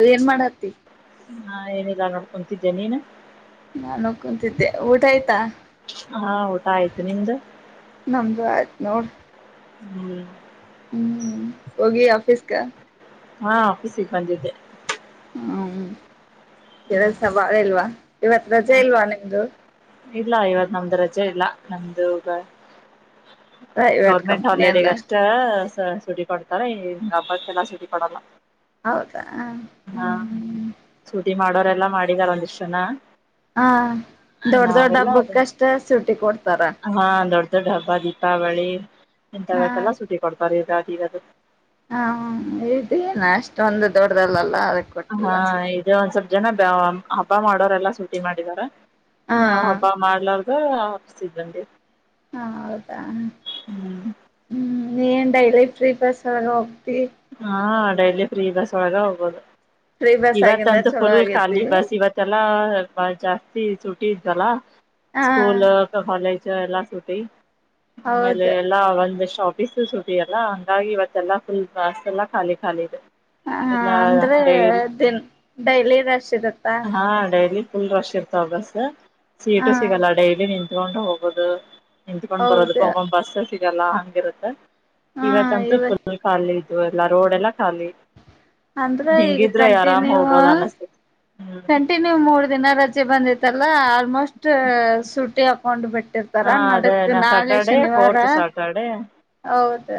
ಅದೇ ಏನ್ ಮಾಡತಿ ಹಾ ಏನಿಲ್ಲ ನೋಡ್ಕೊಂತಿದ್ದೆ ನೀನು ನಾನು ಕುಂತಿದ್ದೆ ಊಟ ಆಯ್ತಾ ಹಾ ಊಟ ಆಯ್ತು ನಿಮ್ದು ನೋಡು ಹ್ಮ್ ಹ್ಮ್ ಹೋಗಿ ಆಫಿಸ್ ಕ ಹಾ ಆಫೀಸಿಗೆ ಬಂದಿದ್ದೆ ಹ್ಮ್ ಕೆಲಸ ಭಾಳ ಇಲ್ವಾ ಇವತ್ ರಜೆ ಹ ಇಲ್ವಾ ನಿಮ್ದು ಇಲ್ಲ ಇವತ್ ನಮ್ದ್ ರಜೆ ಇಲ್ಲ ನಮ್ದುಗ ಪ್ರೈವೇಟ್ ಗೌರ್ಮೆಂಟ್ ಕಂಪ್ನಿ ಅಲ್ಲ ಹಾಲಿಡಗ ಅಷ್ಟ ಸುಟಿ ಕೊಡ್ತಾರೆ ಈ ಹಬ್ಬಕ್ಕೆಲ್ಲ ಸುಟಿ ಕೊಡಲ್ಲ ಹೌದಾ ಹ ಹ್ಮ್ ಹ್ಮ್ ಅವಡೋರೆಲ್ಲಾ ಮಾಡಿದ್ದಾರೆ ಒಂದಿಷ್ಟ ಜನ ಹಾ ದೊಡ್ ದೊಡ್ ನಾವೆಲ್ಲ ಹಬ್ಬಕ್ಕಷ್ಟ ಸುಟಿ ಕೊಡ್ತಾರ ದ ದೊಡ್ಡ ಹಬ್ಬ ದೀಪಾವಳಿ ಹ ಎಂತವೆಲ್ಲ ಸುಟ್ಟಿ ಕೊಡ್ತಾರೆಗ ಹಾ ಇದು ಏನ ಅಷ್ಟೊಂದು ದೊಡ್ಡ್ದಲ್ಲಲ್ಲ ಹಾ ಇದು ಒಂದ್ ಸ್ವಲ್ಪ ಜನ ಹಬ್ಬ ಮಾಡೋರೆಲ್ಲ ಸುಟಿ ಮಾಡಿದ್ದಾರೆ ಹಾ ನಾವ್ ಹಬ್ಬ ಮಾಡಲೋ ಹಾ ಆಫಿಸಗ ಬಂದಿ ಹ ಹೌದಾ ಹ್ಮ್ ನೀನ್ ಡೈಲಿ ಫ್ರೀ ಬಸಗ ಹಾ ಡೈಲಿ ಫ್ರೀ ಬಸ್ ಒಳಗ ಹೋಗ್ಬೋದು ಫ್ರೀ ಬಸ್ ಆಗಿಂದ ಇವತ್ತಂತೂ ಚಲೋ ಫುಲ್ ಆಗೇತಿ ಖಾಲಿ ಬಸ್ ಇವತ್ತೆಲ್ಲಾ ಜಾಸ್ತಿ ಸುಟಿ ಇದ್ದಲ್ಲ ಹಾ ಸ್ಕೂಲ್ ಕಾಲೇಜ ಎಲ್ಲಾ ಸುಟಿ ಆಮೇಲೆ ಹೌದು ಎಲ್ಲಾ ಒಂದಷ್ಟ ಆಫೀಸ್ ಸುಟಿ ಅಲ್ಲಾ ಹಂಗಾಗಿ ಇವತ್ತೆಲ್ಲಾ ಫುಲ್ ಬಸ್ ಎಲ್ಲ ಖಾಲಿ ಖಾಲಿ ಇದೆ ಹ ಹ ಇಲ್ಲ ಅಂದ್ರೆ ಡೈಲಿ ದನ್ ಡೈಲಿ ರಶ್ ಇರತ್ತಾ ಹಾ ಡೈಲಿ ಫುಲ್ ರಶ್ ಇರ್ತಾವ ಬಸ್ ಹಾ ಸೀಟು ಸಿಗಲ್ಲ ಡೈಲಿ ನಿಂತ್ಕೊಂಡು ಹೋಗೋದು ನಿತ್ಕೊಂಡ್ ಬರೋದ ಹೌದು ಒಮ್ಮೊಮ್ಮ ಬಸ್ಸ ಸಿಗಲ್ಲ ಹಂಗಿರುತ್ತ ಹಾ ಇವತ್ತಂತೂ ಇವ ಪುಲ ಕಾಲಿ ಇದು ಎಲ್ಲ ರೋಡ್ ಎಲ್ಲ ಖಾಲಿ ಅಂದ್ರ ಈಗ ಹಿಂಗಿದ್ರೆ ಆರಾಮ್ ಕಂಟಿನ್ಯೂ ಹೋಗ್ಬೋದ ಅನಸ್ತತಿ ಹ್ಮ್ ಕಂಟಿನ್ಯೂ ಮೂರ್ ದಿನ ರಜೆ ಬಂದ ಇಲ್ಲಾ ಆಲ್ಮೋಸ್ಟ್ ಸೂಟಿ ಹಾಕೊಂಡ್ ಬಿಟ್ಟ ಹಾ ಇಟ್ಟಿರ್ತಾರ ಅದೇ ನಡಕ್ ನಾ ನಾಳೆ ಸ್ಯಾಟರ್ಡೆ ಶನಿವಾರ ಫೋರ್ತ್ ಸ್ಯಾಟರ್ಡೆ ಹೌದು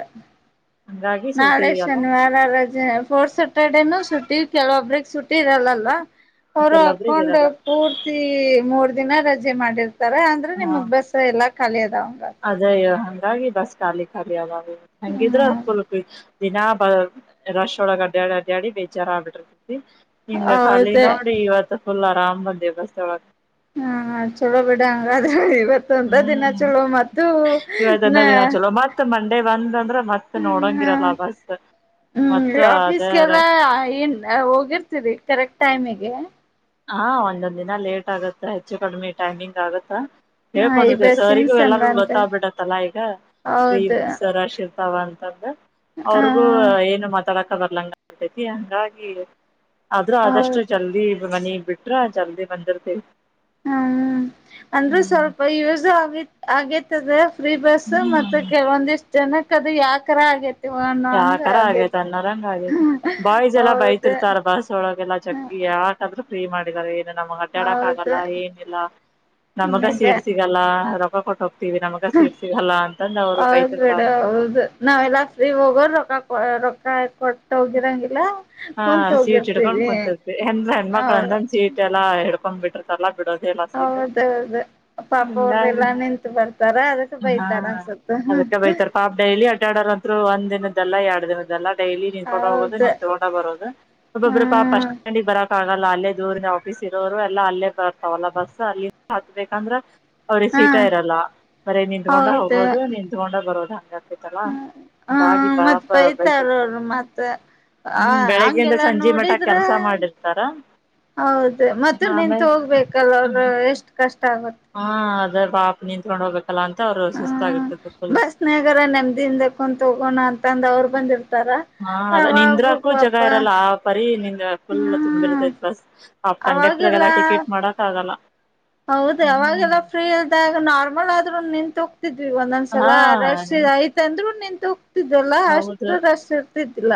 ಹಂಗಾಗಿ ನಾಳೆ ಸೂಟಿ ಅಲ್ಲ ಶನಿವಾರ ರಜೆ ಫೋರ್ತ ಸ್ಯಾಟರ್ಡೇನು ಶುಟ್ಟಿ ಕೆಲವೊಬ್ಬ್ರಿಗೆ ಸುಟ್ಟಿ ಇರಲ್ಲಲ್ಲ ಅವರು ಕೆಲವೊಬ್ರಿಗೆ ಅಕೌಂಡ್ ಇರಲ್ಲ ಪೂರ್ತಿ ಮೂರ್ ದಿನ ರಜೆ ಮಾಡಿರ್ತಾರೆ ಅಂದ್ರೆ ನಿಮ್ ಬಸ್ಸ ಎಲ್ಲಾ ಕಾಲಿದ ಅದೇ ಹಂಗಾಗಿ ಬಸ್ ಖಾಲಿ ಖಾಲಿ ಅದವ ಹ್ಮ್ ಹಂಗಿದ್ರೆಲ್ ದಿನಾ ಬ ರಶ್ ಒಳಗ ಅಡ್ಡ್ಯಾಡಿ ಅಡ್ಡ್ಯಾಡಿ ಬೇಜಾರ ಆಗ್ಬಿಡ್ರಿ ಹಂಗ ಖಾಲಿ ಹೌದ ನೋಡ್ರಿ ಇವತ್ತು ಫುಲ್ ಆರಾಮ್ ಬಂದೇ ಬಸ್ ಒಳಗೆ ಹಾ ಚಲೋ ಬಿಡಂಗಾದ್ರ ಹ್ಮ್ ನ ಇವತ್ತಂದ ದಿನ ಚಲೋ ಮತ್ತ ಮಂಡೇ ಒಂದ ಅಂದ್ರೆ ಮತ್ತೆ ನೋಡ ಇರಲ್ಲ ಹ್ಮ್ ಬಸ್ ಹ್ಮ್ ಮತ್ತ ಅದೇ ಆಫೀಸ್ಗೆಲ್ಲಾ ಏನ್ ಹೋಗಿರ್ತೀರಿ ಕರೆಕ್ಟ್ ಟೈಮಿಗೆ ಹಾ ಒಂದೊಂದ್ ದಿನ ಲೇಟ್ ಆಗತ್ತ ಹೆಚ್ಚು ಕಡಿಮೆ ಟೈಮಿಂಗ್ ಆಗತ್ತಾ ಹ ಈ ಹೇಳ್ಕೊಂಡಿರ್ತಿ ಬಸ್ಸಿನ ಸರಿಗೂ ಎಲ್ಲಾರೂ ಸಂಬಂಧ ಗೊತ್ತಾಗಬಿಟ್ಟತ್ತಲ್ಲಾ ಈಗ ಫ್ರೀ ಹೌದು ಬಸ್ ರಶ ತಾವ ಅಂತಂದ್ರ ಹ ಅವ್ರಿಗೂ ಏನು ಮಾತಾಡಕ ಬರ್ಲಂಗ ಅತೈತಿ ಹಂಗಾಗಿ ಆದ್ರೂ ಆದಷ್ಟು ಹೌದು ಜಲ್ದಿ ಮನಿಗ್ ಬಿಟ್ರ ಜಲ್ದಿ ಬಂದಿರ್ತೇವಿ ಹ್ಮ ಅಂದ್ರೆ ಹ್ಮ್ ಸ್ವಲ್ಪ ಯೂಸ್ ಆಗೇ ಆಗೇತದ ಫ್ರೀ ಬಸ್ ಮತ್ತ ಕೆಲವೊಂದ ಇಷ್ಟ ಜನಕ್ ಅದು ಯಾಕರ ಆಗೈತಿ ಯಾವಕರ ಆಗೇತಿ ಅನ್ನರಂಗ ಆಗೇತಿ ಬಾಯ್ಸ್ ಎಲ್ಲಾ ಹೌದು ಬೈತಿರ್ತಾರ ಬಸ್ ಒಳಗೆಲ್ಲಾ ಚಕ್ಕಿ ಯಾಕಾದ್ರ ಫ್ರೀ ಮಾಡಿದ್ದಾರೆ ಏನು ನಮ್ಗ್ ಅಡ್ಡಾಡಕ್ ಆಗಲ್ಲ ಹೌದು ಏನ ಇಲ್ಲ ನಮಗ ಸೀಟ್ ಸಿಗಲ್ಲ ಕೊಟ್ಟ ಹೋಗ್ತಿವಿ ನಮಗ ಸೀಟ್ ಸಿಗಲ್ಲ ಅಂತಂದ ಅವ್ರು ಹೌದ್ಬೀಡ ಬೈತಿರ್ತಾರ ಹೌದು ನಾವೆಲ್ಲ ಫ್ರೀ ಹೋಗ ರು ರಕ್ಕಾ ರಕ್ಕಾ ಎ ಕಟ್ಟ ಹೊಗಿರಾಂಗಿಲ್ಲಾ ಹಾ ಸೀಟ್ ಹ ಇಡ್ಕೊಂಡ್ ಕುಂತರ್ತಿ ಹೆಂದ ಹೆಣ್ಮಕ್ಳ ಅವರು ಅಂದಂದ ಸೀಟ್ ಎಲ್ಲಾ ಹಿಡ್ಕೊಂಡ್ ಬಿಟ್ಟಿರ್ತಲ್ಲ ಹೌದೌದು ಪಾಪ ಅವ್ರ ಹಂಗಾಗಿ ಎಲ್ಲಾ ನಿಂತು ಬರ್ತಾರ ಅದಕ್ಕೆ ಹಾ ಬೈತಾರ ಅನ್ಸತ್ತು ಅದಕ್ಕೆ ಬೈತಾರ ಪಾಪ್ ಡೈಲಿ ಆಡ್ಡ ಆಡಾರ ಅಂತರು ಒಂದ್ ದಿನ ಇದೆಲ್ಲ ಎರ್ದೇದೆಲ್ಲ ಡೈಲಿ ನೀನ್ಕಡ ಹೋಗುದು ಹೌದು ನೀನ್ ತಗೊಂಡ ಒಬ್ಬೊಬ್ಬ್ರ ಪಾಪ್ ಹ್ಮ್ ಬಸ್ಟಂಡಿಗೆ ಬರಕ್ಕಗಲ್ಲ ಅಲ್ಲೇ ದೂರಿನ ಆಫೀಸ್ ಇರೋರು ಎಲ್ಲ ಅಲ್ಲೇ ಬರ್ತಾವಲ್ಲ ಬಸ್ ಸರಿ ಹತ್ಬೇಕಂದ್ರ ಅವ್ರಿಗೆ ಸೀಟ ಹಾ ಇರಲ್ಲ ಬರೀ ನಿತ್ಕೊಂಡ ಹೋಗೂದು ನಿತ್ಕೊಂಡ ಬರೋದ ಹ್ಮ ಹ್ಮ ಮತ್ತ ಬೈತಾರ ಬೈತಿರ್ತಾರ ಅವರು ಮತ್ತ ಹ ಹ್ಮ್ ಬೆಳಗ್ಗಿಂದ ಹಂಗೆಲ್ಲಾ ಸಂಜೆ ಮಠ ನೋಡಿದ್ರ ಕೆಲ್ಸ ಮಾಡಿರ್ತಾರ ಹೌದ ಮತ್ತ ನಿಂನ್ತ್ ಆಮೇಲೆ ಹೋಗ್ಬೇಕಲ್ಲ ಅವರು ಎಷ್ಟ ಕ ಹಾ ಅದ್ರ ಪಾಪ ನೀನ್ ತೊಗೊಂಡ್ ಹೋಗ್ಬೇಕು ಅಲ್ಲ ಅಂತ ಅವ್ರು ಹ್ಮ ಸುಸ್ತಾಗಿರ್ತತಿ ಫುಲ್ ಬಸ್ನಾಗರ ನೆಮ್ದಿಂದ ಕುಂತ ಹೋಗೋಣ ಅಂತಂದ ಅವ್ರು ಬಂದಿರ್ತಾರ ಹಾ ಅದ ಅವಾಗೂ ನಿಂದ್ರಕೂ ಜಗ ಪಾಪ ಇರಲ್ಲ ಆ ಪರಿ ನಿ ಫುಲ್ ತುಂಬಿ ಹ್ಮ್ ಇರ್ತೈತ್ ಬಸ್ ಆ ಕಂಡಕ್ಟರ್ಗೆಲ್ಲ ಟಿಕೆಟ್ ಮಾಡಕ್ ಆಗಲ್ಲ ಹೌದ ಹ್ಮ್ ಅವಾಗೆಲ್ಲ ಫ್ರೀ ಇಲ್ದ ಆಗ ನಾರ್ಮಲ್ ಆದ್ರೂ ನಿಂತು ದಿವಿ ಹಾ ಒಂದೊಂದ್ಸಲ ರಷ್ ಆಯ್ತಂದ್ರು ನಿಂತು ಇತಲ್ಲ ಹೌದು ಅಷ್ಟು ರಷು ಇರ್ತಿದ್ದಿಲ್ಲ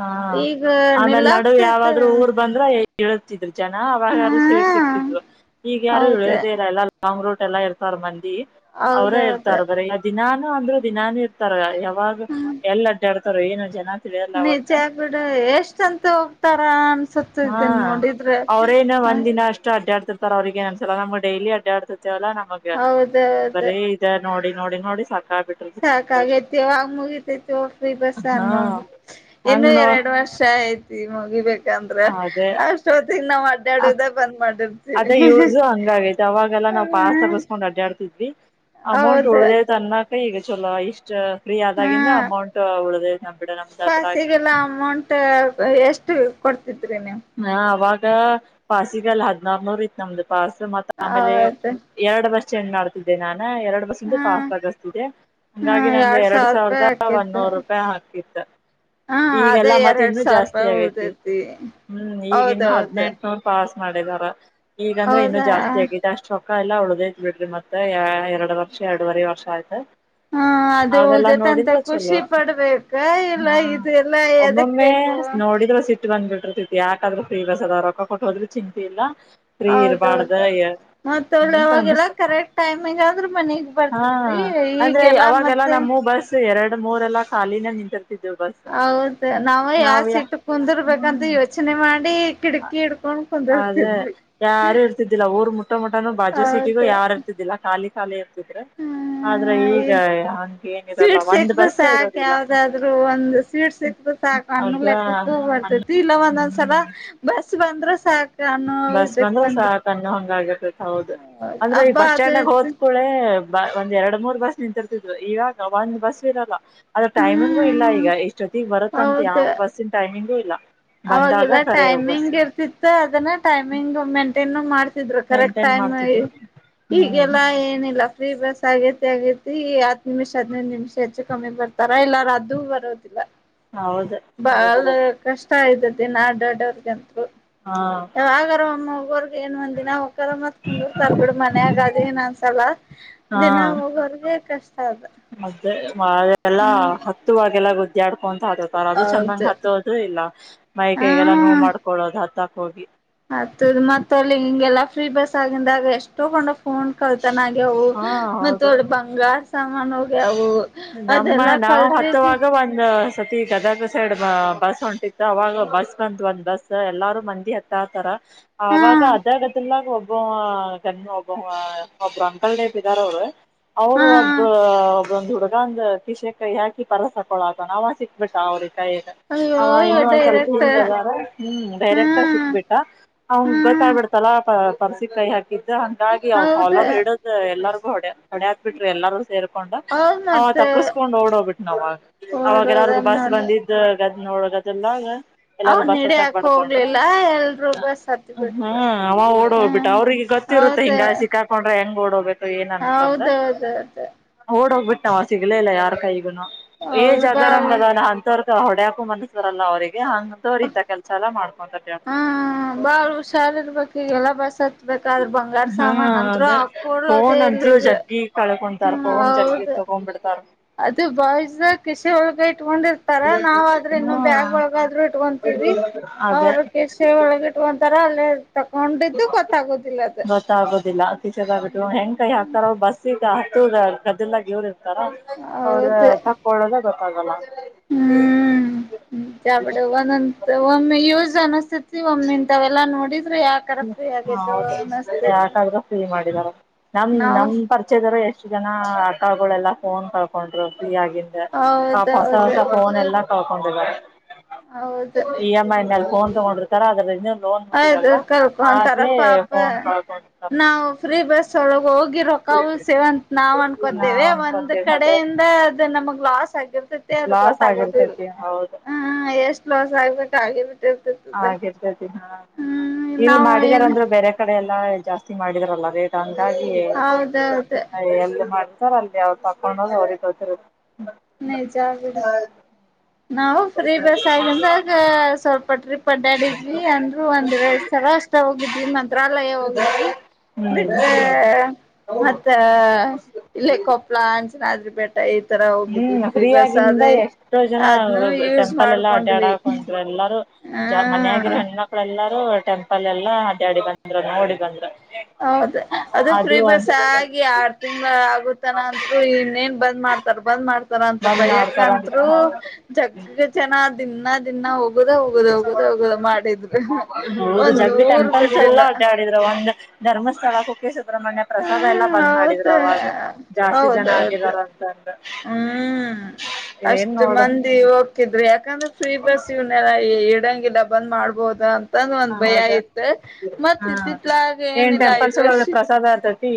ಹಾ ಈಗ ಆಮೇಲೆ ನಡು ನಿಲ್ಲಾಕ್ಸೈತ ಯಾವ್ದಾದ್ರು ಊರ್ ಬಂದ್ರ ಇಳುತ್ತಿದ್ರು ಜನ ಹಾ ಅವಾಗಾರು ಸೀಟ ಸಿಕ್ತಿದವು ಈಗ ಯಾರು ಹೌದ ಇಳಿಯೋದೇ ಇಲ್ಲ ಎಲ್ಲ ಲಾಂಗ್ ರೂಟ್ ಎಲ್ಲಾ ಇರ್ತಾರ ಮಂದಿ ಅವರೇ ಹೌದೌದು ಇರ್ತಾರ ಬರ ದಿನಾ ಅಂದ್ರೆ ದಿನಾನ ಇರ್ತಾರ ಯಾವಾಗ ಎಲ್ ಅಡ್ಡಾಡ್ತಾರ ಏನು ಜನ ತಿಳಿಯಲ್ಲ ಒಟ್ಟ ನೀಜ ಬಿಡ ಎಷ್ಟಂತೂ ಹೋಗ್ತಾರ ಹಾ ಅನ್ಸತ್ತದನ್ ನೋಡಿದ್ರೆ ಅವ್ರೇನ ಹ ಒಂದ್ ದಿನ ಅಷ್ಟು ಅಡ್ಡಾ ಆಡ್ತಿರ್ತಾರ ಅವ್ರಿಗೇನ್ಂದಸಲ ನಮ್ಗೆ ಡೈಲಿ ಅಡ್ಡಾಡ್ತಿರ್ತ ವಲ್ಲ ನಮಗ ಹೌದೌದು ಬರೀ ಇದ ನೋಡಿ ನೋಡಿ ನೋಡಿ ಸಾಕಾ ಸಾಕಾಗೈತಿ ಯಾವಗ ಮುಗಿತೈತಿ ಫ್ರೀ ಬಸ್ ಅ ಹಾ ಇನ್ನು ಹಂಗ್ ನೋ ಎರಡು ವರ್ಷ ಐತಿ ಮುಗಿಬೇಕು ಂದ್ರ ಅದೇ ಅಷ್ಟ ಹೊತ್ತಗ್ ನಾವ್ ಆ ಅಡ್ಡಾಡುದ ಬಂದ್ ಮಾಡಿರ್ತೀವಿ ನಾವು ಪಾಸ್ ತಸ್ಕೊಂಡ್ ಅಡ್ಡಾಡ್ತಿದ್ವಿ ಅಮೌಂಟ್ ಹೌದ ಉಳಿತದ ತನ್ನ ಈಗ ಚೊಲೋ ಇಷ್ಟ್ ಫ್ರೀ ಆದಾಗಿಂದ ಅಮೌಂಟ್ ಉಳ್ದ ಫಾಸಿಗೆಲ್ಲ ಅಮೌಂಟ್ ಎಷ್ಟು ಕೊಡ್ತತಿದ್ರಿ ನೀ ಹ ಅವಾಗ ಫಾಸಿಗೆಲ್ಲ ಹದ್ನಾರ ನೂರ್ ಇತ್ ನಮ್ದು ಪಾಸ್ ಮತ್ತ ಆಮೇಲೆ ಹೌದು ಎರಡು ಬಸ್ ಚೆಂಜ ಮಾಡ್ತಿದ್ದೆ ನಾನು ಎರಡು ಬಸ್ಂದು ಹಾ ಪಾಸ್ ತಗಿಸತಿದೆ ಹಾ ಹಂಗಾಗಿ ನಂದು ಎರಡ್ ಸಾವಿರ ರೂಪಾಯಿ ಸಾವಿರದ ಆಕೇತ್ ಒಂದೂರು ರೂಪಾಯಿ ಹಾಕತಿತ್ತು ಹಾ ಈಗೆಲ್ಲ ಅದೇ ಎರಡ್ ಮತ್ತಿಂದನು ಸಾವಿರ ಜಾಸ್ತಿ ರೂಪಾಯಿ ಆಗತಿ ಉಳ್ದೈತಿ ಹ್ಮ್ ಈಗ ಇನ್ನು ಹೌದೌದು ಹದ್ನೆಂಟನೂರು ಪಾಸ್ ಮಾಡಿದಾರ ಈಗಂದ್ರೆ ಇನ್ನು ಹೌದಾ ಜಾಸ್ತಿ ಆಗಿದೆ ಅಷ್ಟ ಅಕ್ಕ ಎಲ್ಲ ಉಳಿದೈತಿ ಬಿಡ್ರಿ ಮತ್ತೆ ಎರಡು ವರ್ಷ ಎರಡುವರೆ ವರ್ಷ ಆಯ್ತ. ಹಾ ಅದು ಅವೆಲ್ಲಾ ಜೊತೆ ಅಂತ ನೋಡಿದ್ರ ಖುಷಿ ಚಲೋ ಪಡುಬೇಕ ಇಲ್ಲ ಹಾ ಇದು ಎಲ್ಲಾ ಎದಕ್ ಬೇಕು. ಬಂದ್ ಬಿಟ್ಟಿರ್ತಿತಿ ಯಾಕದ್ರೂ ಫ್ರೀ ಬಸ್ಸು ರೊಕ್ಕ ಕೊಟ್ಟು ಹೋದ್ರೆ ಚಿಂತೆ ಇಲ್ಲ ಫ್ರೀ ಇರಬಾರ್ದು ಹೌದೌದು ಏ ಮತ್ತ ಒಳ್ಳೆ ಅವಾಗೆಲ್ಲ ಕರೆಕ್ಟ್ ಟೈಮಿಂಗ್ ಆದ್ರೆ ಮನಿಗ್ ಹಾ ಬರ್ತಿದ್ರೀ ಅಂದ್ರೆ ಈಗೆಲ್ಲ ಅವಾಗೆಲ್ಲಾ ಮತ್ತೆ. ನಮ್ಮೂ ಬಸ್ ಎರಡು ಮೂರ ಎಲ್ಲಾ ಖಾಲಿನ ನಿಂತ ಹೌದು ನಾವು ಯಾವ ಸೀಟ್ ಕುಂದಿರ್ ಬೇಕಂತ ಯೋಚನೆ ಮಾಡಿ ಕಿಟಕಿ ಹಿಡ್ಕೊಂಡ್ ಅದೇ ಕುಂದರ್ತಿದ್ವಿ ಯಾರು ಇರ್ತಿದ್ದಿಲ್ಲ ಊರ್ ಮುಟ್ಟ ಮುಟ್ಟಾನೂ ಬಾಜು ಹೌದ ಸೀಟಿಗೂ ಯಾರ ಹಾಲು ಇರ್ದಿತ್ತಿಲ್ಲ ಖಾಲಿ. ಕುತರಾ ಹ್ಮ ಸೀಟ್ ಒಂದ್ ಸಿಕ್ರ ಬಸ್ ಸಾಕ ಇರೋದಿಲ್ಲ ಯಾವದಾದ್ರು ಒಂದು ಸೀಟ ಸಿಕ್ ಸಾಕು ಅಣ್ಣು ಅದ ಲೆಕ್ಕಕ್ಕ ಬರ್ತತಿ ಇಲ್ಲ ಹ್ಮ್ ಒಂದೊಂದ್ಸಲ ಬಸ್ ಬಂದ್ರೆ ಸಾಕು. ಬಸ್ ಬಂದ್ರೆ ಸಾಕು ಅನ್ನೋ ಹಂಗ ಆಗೈತಿ ಹೌದು. ಅಂದ್ರೆ ಈ ಹಬ್ಬ ಬಸ್ ಅದು ಸ್ಟ್ಯಾಂಡ್ಗ ಇದು ಹೋದ್ಕೂಳೆ. ಬ ಒಂದ್ ಎರಡ್ ಮೂರ್ ಬಸ್ ನಿಂತಿರ್ತಿದ್ವು ಇವಾಗ ಒಂದ್ ಬಸ್ ಇರಲ್ಲ. ಅದ ಟೈಮಿಂಗು ಇಲ್ಲ ಹ್ಮ್ ಈಗ ಎಷ್ಟೊತ್ತಿಗೆ ಬರುತ್ತಂತ ಯಾವ ಹೌದು ಬಸ್ಸಿನ ಟೈಮಿಂಗು ಇಲ್ಲ. ಅವಾಗೆಲ್ಲ ಬಂದಾಗಕರೆ ಬಸ್, ಟೈಮಿಂಗ್ ಇರ್ತಿತ್ತ ಅದನ್ನ ಟೈಮಿಂಗ್ ಮೇಂಟೈನ್ ಮಾಡ್ತಿದ್ರು ಕರೆಕ್ಟ್ ಮೇಂಟೈನ್ ಟೈಮ್ ಮಾಡ್ತಿದ್ರು ಹ್ಮ್ ಈಗೆಲ್ಲಾ ಏನಿಲ್ಲ, ಫ್ರೀ ಬಸ್ ಆಗೇತಿ ಆಗೇತಿ ಹತ್ತು ನಿಮಿಷ ಹದಿನೈದು ನಿಮಿಷ ಹೆಚ್ಚು ಕಮ್ಮಿ ಬರ್ತ ತರ ಇಲ್ಲಾರ ಅದುೂ ಬರೋದಿಲ್ಲ. ಹೌದು ಅದು ಬಾಳ ಬರೋದು ಕಷ್ಟ ಇದೆ ದಿನ ದೊಡ್ಡವರಿಗಂತೂ ಹಾ ಯಾವುಗರಮ್ಮೂ. ಏನ್ ಒಂದ್ ದಿನ ಹೋಕಾರ ಮತ್ ಕುಂದುರ್ತಾರ್ ಬಿಡು ಮನ್ಯಾಗಾ ಅದು ಏನ್ ಅಂದ್ಸಲ. ದಿನ ಹಾ ಹೋಗೋರ್ಗೆ ಕಷ್ಟ ಅದು. ಅದೆಲ್ಲಾ ಹತ್ತುವಾಗೆಲ್ಲ ಗುದ್ದ್ಯಾ ಆಡ್ಕೊಂಡು. ತಾರೆ ಅದು ಚಂದಂಗ್ ಹೌದು ಹತ್ತೋದು ಇಲ್ಲ ಮೈ ಕೈಗೆಲ್ಲಾ ನೋವು ಮಾಡ್ಕೊಳ್ಳೋದು ಹತ್ತಕ್ ಹೋಗಿ. ಅತ್ತದ್ದು ಮತ್ತೆ ಅಲ್ಲಿ ಹಿಂಗೆಲ್ಲಾ ಫ್ರೀ ಬಸ್ ಆಗಿಂದಾಗೆ ಎಸ್ಟ್ ತೊಗೊಂಡು ಹೋಗ್. ಫೋನ್ ಕಳ್ತಾನ ಆಗ್ಯವು ಹಾ ಹೌದು. ಮತ್ತೆ ಬಂಗಾರ ಸಾಮಾನು ಹೋಗ್ಯವು. ನಮ್ಮ ಅದೆಲ್ಲಾ ನಾವು ಕಳ್ರಿಗೆ ಹತ್ತುವಾಗ ಬಂದು. ಸತಿ ಗದಗ ಸೈಡ್ ಬಸ್ ಹೊಂಟಿತ್ತು ಅವಾಗ ಬಸ್ ಬಂತು ಒಂದ್ ಬಸ್ ಎಲ್ಲಾರೂ ಮಂದಿ ಹತ್ತ ಹತರ. ಹಾ ಆವಾಗ ಆದಾಗ ಅದಿಲ್ಲ [unintelligible] ಒಬ್ ಅಂಕಲ್ ರೇಪ್ ಇದಾರ ಅವರು ಅವರು ಹಾ ಒಬ್ಬ ಒಬ್ಬಂದು ಹುಡ ಒಂದು ಕಿಶೆಗೆ ಕೈ ಹಾಕಿ ಪರಸು ತಕೋಳನದವ ಸಿಕ್ಬಿಟ್ಟ ಅವ್ರಿಗೆ. ಕೈಗ ಅಯ್ಯೋ ಅವ ಇನ್ನುವನ್ನ ಸ್ವಲ್ಪ ಡೈರೆಕ್ಟ್ ನಿಂತವಾರ ಹ್ಮ ಡೈರೆಕ್ಟ್ ಹ್ಮ್ ಸಿಕ್ಬಿಟ್ಟ ಅವನು ಗೊ ಹ್ಮ್ ತಾಗ್ಬಿಡು ತಲಕ ಪರ್ಸಿ ಕೈ ಹಾಕಿದ್ದ ಹಂಗಾಗಿ ಅವ್ ಹೌದ ಫಾಲೋರ್ ಹಿಡುದು ಎಲ್ಲರಿಗೂ ಹೊಡೆಯಾಕ್ ಬಿಟ್ರು ಎಲ್ಲಾರೂ ಸೇರ್. ಕೊಂಡ ಹೌದ್ ಅವ ಮತ್ತ ತಪ್ಪಿಸ್ಕೊಂಡ್ ಓಡೋಗು ಬಿಟ್ನ ನವಾಗೂ ಓಡೋದ ಅವಾಗೆಲ್ಲರ್ಗೂ ಬಸ್ಸು ನೋಡ ಬಂದಿದ್ದು. ಗದ್ ನೋಡದುಗಯೆಲ್ಲ ಎಲ್ಲರೂ ಅವನ್ ಬಸ್ ಹತ್ತಾಗ ಹಿಡಿಯಾಕ ಬಡ್ಕೊಂಡ್ರು ಹೋಗ್ಲಿಲ್ಲ ಎಲ್ರೂ ಬಸ್ ಹತ್ತಿ ಅಯ್ಯೋ ಬಿಟ್ರ ಅವ ಓಡ್ ಹೋಗ್ಬಿಟ್ಟ ಹ್ಮ ಅವ್ರಿಗೆ ಗೊತ್ತು ಇರುತ್ತೆ ಹೌದ ಹಿಂಗ ಸಿಕ್ಕಾಕೊಂಡ್ರೆ ಹೆಂಗ ಏನಂತಂದ ಹೌದೌದೌದು ಓಡೋಗ್ಬಿಟ್ಟ ಅವ ಸಿಗ್ಲೇ ಇಲ್ಲ ಯಾರ ಕೈಗುನು. ಹೌದು ಬಾಳ ಏಜುಆದರಂಗಇದನ ಅಂತವರಿಗೆ, ಹೊಡ್ಯಾಕು ಮನಸ್ಸು ಬರಲ್ಲ ಅವ್ರರಿಗೆ ಅಂತವ್ರು ಇಂತ ಕೆಲ್ಸ ಎಲ್ಲ ಮಾಡ್ಕೊಂ ಹ ಬಾಳ ಹುಷಾರ ಇರರ್ಬೇಕು ಈಗೆಲ್ಲ ಬಸ್ ಹತ್ಬೇಕಾದ್ರ್ ಬಂಗಾರ ಸಾಮಾನು ನಂತರ ಹಾಕೊಳ್ಳೋದೆ. ದ್ರೂ ಜಗ್ಗಿ ಕಳ್ಕೊಂತಾರೆ ತಗೊಂಡ್ ಜಗ್ಗಿ ತೊಗೊಂಡ್ ಬಿಡು ಅದು ಬಾಸ್ರ ಕಸ ಉಳಿದೈತಿ. ಇಟ್ಕೊಂಡಿರ್ತಾರ ನಾವು ಆದ್ರೆ ಇನ್ನೊ ಬ್ಯಾಗ್ ಒಳಗಾದ್ರು ಇಟ್ಕೊಂತೀವಿ. ಅದೇ ಅವರು ಕಿಸೆ ಒಳಗಿಟ್ಕೊಂತರ ಅಲ್ಲೇ ತಕೊಂಡಿದ್ದು ಗೊತ್ತಾಗೋದಿಲ್ಲ ಅದು. ಗಿಲ್ಲ ಕಿಸೇದಾಗ್ ಇಟ್ಕೊಂಡು ಹೆಂಗ್ ಕೈ ಹಾಕ್ತಾರೊ ಬಸ್ಸಗೆ ಹತ್ತೊ ಗದ್ದಲ್ದಾಗ ಇವ್ರು. ತರ ಅವರದ ತಕ್ಕೊಳೋದೆ ಗೊತ್ತಾಗಲ್ಲ. ಹ್ಮ್ಮ್ಮ್ಮ್ಮ್ ಚಾವುಂಡವ ನಂತೂ ಒಮ್ಮೆಯೂಸ್ ಅನಿಸ್ತಿತೆ. ಒಮ್ಮಿಂತಾವೆಲ್ಲಾ ನೋಡಿದ್ರೆ ಯಾಕರ ಫ್ರೀ ಆಗೇದೋ ಹೌದು ಅನಿಸ್ತೈತಿ. ಯಾಕಾದ್ರೂ ಫ್ರೀ ಮಾಡಿದಾರ ನಮ್ ನಮ್ ಪರಿಚಯದವರೇ. ಎು ಜನ ಅಕ್ಕಾಗಳೆಲ್ಲಾ ಫೋನ್ ಕಳ್ಕೊಂಡ್ರು ಫ್ರೀ ಆಗ ಆ ಹೊಸ ಹೊಸ ಹೌದೌದು ಫೋನ್ ಎಲ್ಲಾ ತಕೊಂಡಿದ್ದಾರೆ ಹೌದು ಇ ಎಮ್ ಐ ಮೇಲ್ಲಿ ಫೋನ್ ತಗೊಂಡಿರ್ತಾರ ಅದ್ರಿಂದ ಆಯ್ದುು ಕರ್ಕೊಂತಾರ ಪಾಪ ಫೋನ್ ಕಳ್ಕೊಂಡಿರ್ತಾರ ನಾವು ಫ್ರೀ ಬಸ್ ಒಳಗೆ ಹೋಗಿ ರೊಕ ಉಲ್ಸೇವಂತ ನಾವು ನಾವ್ ಅನ್ಕೋತೇವಿ ಒಂದ್ ಅನ್ಕೊಂತೀವಿ ಅದೇ ಕಡೆಯಿಂದ ಅದು ನಮಗ್ ಲಾಸ್ ಆಗಿರ್ತೈತಿ ಅದು ಲಾಸ್ ಗೊತ್ತಾಗೋದ ಇಿಲ್ಲ ಆಗಿರ್ತೈತಿ ಹೌದು ಹ್ಮ್ ಎಷ್ಟ್ ಲೋಸ್ ಆಗ್ಬೇಕ ಆಗರ್ಬ ಹಾಗರ್ತತಾ ಹ್ಮ್ ಇಲ್ ನಾವು ಏನು ಮಾಡಿದಾರಂದ್ರೆ ಬೇರೆ ಕಡೆ ಎಲ್ಲಾ ಜಾಸ್ತಿ ಮಾಡಿದರಲ್ಲ ರೇಟ್ ಹಂಗಾಗಿ ಹೌದೌದು ಸರ್ ಅಲ್ಲಿ ಅವ್ ತಕೊಂಡೋ್ ಅವ್ರಿಗೆ ಗದ ನಿಜ ಆಡ ನಾವು ಫ್ರೀ ಬಸ್ ಆಗಂದಾಗ ಸ್ವಲ್ಪ ಪಟ್ರಿ ಪಡ್ಾಡಿದ್ವಿ ಅಂದ್ರು ಒಂದ್ ಎರಡ್ ಸಲ ಅಷ್ಟ ಹೋಗಿದ್ವಿ ಮಂತ್ರಾಲಯ ಹೋಗಿದ್ವಿ ಹ್ಮ್ ಬಿಟ್ರೆ ಮತ್ತ ಇಲ್ಲೇ ಕೊಪ್ಳ ಅನ್ಚನಾದ್ರಿ ಬಿಟ್ರ ಈ ತರ ಹೋಗಿ ಹ್ಮ ಫ್ರೀ ಆಗಿಂದ ಎಷ್ಟೋ ಜನ ಅದ್ನು ಯೂಸ್ ಟೆಂಪಲ್ ಎಲ್ಲಾ ಮಾಡ್ಕೊಂಡ್ವಿ ಅಡ್ಡಾಡಕು ಅಂತ ಎಲ್ಲಾರ ಜ ಮನ ಆಗಿರೋ ಹ ಹೆಣ್ಣ್ಮಕ್ಳ ಎಲ್ಲಾರೂ ಟೆಂಪಲ್ ಎಲ್ಲಾ ಅಡಿ ಅಡಿ ಬಂದ್ ನೋಡಿ ಬಂದ್ ಹೌದ ಅದು ಫ್ರೀ ಬಸ್ ಆಗಿ ಆರ್ ತಿಂಗ್ಳ ಆಗತನ ಅತ್ರು ಇನ್ನೇನ್ ಬಂದ್ ಮಾಡ್ತಾರಬ ್ ಮಾಡ್ತಾರ ಅಂತ ಬಂದ್ ನೋಡ್ತಾರಂತ ಬಯಕತ್ರು ಹೌದು ಜಗ್ಗ ಜನ ದಿನಾ ದಿನಾ ಹೋಗುದ ಹೋಗುದ ಹೋಗುದ ಹೋಗುದ ಮಾಡಿದ್ರು ಒಂದ ಊರ್ ಬಿಡ್ಲಿಲ್ಲ ಾಡಿದ್ರ ಒಂದು ಧರ್ಮಸ್ಥಳಕ್ಕೆ ಸುಬ್ರಹ್ಮಣ್ಯ ಪ್ರಸಾದ ಎಲ್ಲಾ ಹ್ಮ್ ಬಂದ್ ಮಾಡಿದರು ಹೌದ ಅವಾಗ ಜಾಸ್ತಿ ಜನ ಹೌದೌದು ಆಗಿದಾರ ಅಂತಂದ್ರ ಹ್ಮ್ ಅಷ್ಟ್ ಮಂದಿ ಹೋಗ್ಕಿದ್ರೆ ಯಾಕಂದ್ರೆ ಸ್ವೀ ಬಸ್ ಇವ್ನಲ್ಲ ಇಡಂಗಿಲ್ಲ ಬಂದ್ ಮಾಡ್ಬಹದ ತಂದ ಒಂದ್ ಭಯ ಅದ ಆಯ್ತ್ ಹಾ ಮತ್ತತ್ತಿತ್ಲ ಆಗ ಏನಿಲ್ಲ ಐದ್ ವರ್ಷ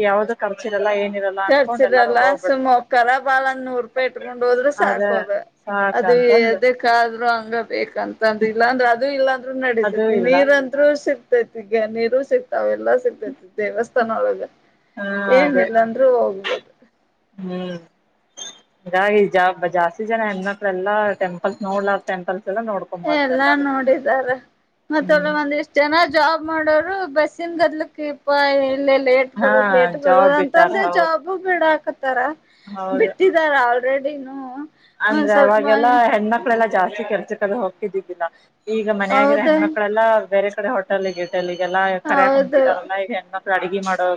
ಯಾವ್ದ ಖರ್ಚಿರಲ್ಲ ಏ ಕರ್ಚಿರಲ್ಲ ಸುಮ್ಮ ಒಕ್ಕಾರ ಬಾಳಂದ್ ನೂರ್ ರೂಪಾಯಿ ಇಟ್ಕೊಂಡ್ ಹೋದ್ರೆ ಅದ ಸಾಕೋದ ಅದು ಸಾಕಂತಂದ ಅದಕ್ಕಾದ್ರರು ಹಂಗ ಬೇಕಂತಂದ ಇಲ್ಲಾ ಅಂದ್ರೆ ಅದು ಇಲ್ಲಾಂದ್ರೂ ಅದು ನಡಿತೈತಿ ಇಲ್ಲ ನೀರ ಅಂದ್ರೂ ಸಿಕ್ತೈತಿಗ ನೀರು ಸಿಕ್ತ ಅವೆಲ್ಲಾ ಸಿಗ್ತೈತಿ ದೇವಸ್ಥಾನ ಒಳಗೆ ಹಾ ಅದೇ ಏನಿಲ್ಲಂದ್ರ ಹೋಗ್ಬೋದು ಹಾಗಾಗಿಾ ಜಾಸ್ತಿ ಜನ ಹೆಣ್ಮಕ್ಳ ಎಲ್ಲಾ ಟೆಂಪಲ್ ನೋಡ್ಲ ಟೆಂಪಲ್ ಎಲ್ಲಾ ನೋಡಿದಾರ ಮತ್ತ ಒಂದ್ ಇಷ್ಟ್ ಜನ ಜಾಬ್ ಮಾಡೋರು ಬಸ್ಸಿನ ಗದ್ಲಕ್ ಇ ಇಲ್ಲ ಲೇಟ್ ಹಾ ಬರೋದು ಲೇಟ್ ಜಾಬ್ ಬರೋದು ಬಿಟ್ಟಾರ ಅಂತಂದ್ರೆ ಹೌದು ಜಾಬು ಬೇಡ ಹಾಕತ್ತಾರ ಹೌದು ಬಿಟ್ಟಿದಾರ ಅವರು ರೆಡಿನು ಅಂದ್ರೆ ಅವಾಗೆಲ್ಲಾ ಹೆಣ್ಮಕ್ಳೆಲ್ಲಾ ಜಾಸ್ತಿ ಕೆಲ್ಸಕ್ಕದು ಹೋಗ್ತಿದ್ದಿದ್ದಿಲ್ಲ ಈಗ ಮನ ಆಾಗಿರೋ ಹೌದ ಹೆಣ್ಮಕ್ಳೆಲ್ಲಾ ಬೇರೆ ಕಡೆ ಹೋಟೆಲ್ಗ ಇಟೆಲ್ಲಿ ಈಗೆಲ್ಲಾ ಕರೆಯಕ್ ಕುಂದ್ ಹೌದು ಬಿಿಟಾರಲ್ಲ ಈಗ ಹೆಣ್ಮಕ್ ಅಡುಿಗೆ ಮಾಡೋ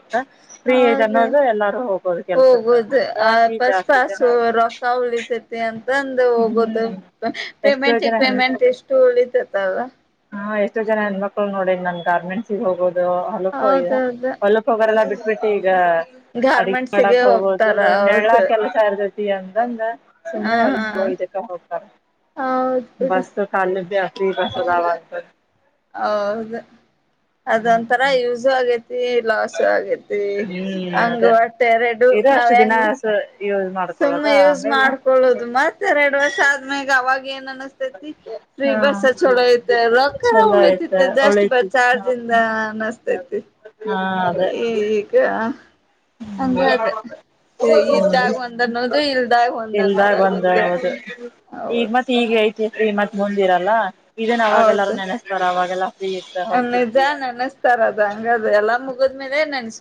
ಪ್ರೀದು ಹೌದು ಅನ್ನೋದು ಎಲ್ಲಾರು ಹೋಗೋದು ಕೆಲ್ಸಕ್ಕೆ ಹೋಗುದು ಆ ಹಂಗಾಗಿ ಜಾಸ್ತಿ ಜನ ಅಂತಂದ ಹೋಗೋದು ಹ್ಮ್ ಎಷ್ಟೋ ಪೇಮೆಂಟ್ ಜನ ಪೇಮೆಂಟ್ ಎಷ್ಟು ಉಳಿತತಲ್ಲ್ಲ ಹ ಎಷ್ಟೋ ಜನ ಹೆಣ್ಮಕ್ಳು ನೋಡ ನನ್ ಗಾರ್ಮೆಂಟ್ಸ್ಿಗೆ ಹೋಗೋುದು ಹಲಪ ಹೌದೌದು ಹೊಲಪ್ ಹೋಗರೆಲ್ಲಾ ಬಿಟ್ಟ ಬಿಿಟ್ಟಿ ಈಗ ಅಡ್ಗೆ ಗಾರ್ಮೆಂಟ್ಸಿಗೆ ಮಾಡಕ್ ಹೋಗಬೋದು ಹೋಗ್ತಾರ ನೆಳ್ಳಾ ಹೌದು ಕೆಲ್ಸ ಇರ್ತೈತಿ ಅಂದಂದ ಹಾ ಸುಮ್ನೆ ಎಲ್ಲ ಇದಕ್ಕ ಹೋಗ್ತಾರ ಹೌದ್ ಬಿಡು ಬಸ್ ಕಲ್ ಬಾಸ ಬಸದವ ಹೌದು ಅದೊಂಂತರ ಯೂಸ ಆಗೇ ಲಾಸ್ ಆಗೇತಿ ಹ್ಮ್ ಹಂಗ ಅದೇ ಒಟ್ಟ ಎರಡು ಇದು ನಾವ್ ಅಷ್ಟು ದಿನ ಹೆಂಗ್ ಯೂಸ್ ಸುಮ್ಮ ಮಾಡ್ಕೊಳದ ಯೂಸ್ ಆಮೇಲೆ ಮಾಡ್ಕೊಳ್ಳುದು ಮತ್ತೆ ಎರಡ್ ವರ್ಷ ಆದ್ಮ್ಯಾಗ ಅವಾಗ ಏನ್ ಅನತತಿ ಫ್ರೀ ಹಾ ಬಸ್ ಚ ರೊಕ್ಕ ಚಲೋ ಉಳತಿ ಆಯ್ತ ಜಸ್ಟ್ ಬ ಒಳ್ಳೈತಿ ಚಾರ್ ನಾ ನಸ್ತ ತಿ ಹಾ ಅದೇ ಈಗ ಹಂಗ ಅದ ಇದ್ದಾಗ ಒಂದ್ ಅನ್ನೋದು ಇಲ್ದಾಗ ಒಂದ್ ಇಲ್ದಾಗ ಒಂದ ಅನ್ನೋದಾಗುತ್ತೆ ಹೌದು ಹೌದು. ಈಗ ಮತ್ ಈಗ ಐತಿ ಮತ್ ಮುಂದಿರಲ್ಲ ಇದೇನ್ ಅವಾಗೆಲ್ಲಾರೂ ಹೌದು ನೆನೆಸ್ತಾರ ಅವಾಗೆಲ್ಲ ನಿಜ ನೆನಸ್ತಾರ ಅದ ಹಂಗದು ಎಲ್ಲಾ ಮುಗಿದ್ಮೇಲೆ ನೆನ್ಸ್ತ.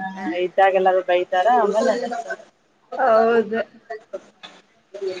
ಹಾ ಇದ್ದಾಗೆಲ್ಲಾರೂ ಬೈತಾರ ಆಮೇಲೆ. ಹೌದು ಹ [inaudible]